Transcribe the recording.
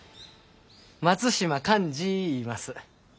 松島寛治いいます。